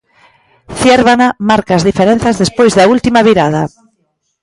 Ziérbena marca as diferenzas despois da última virada.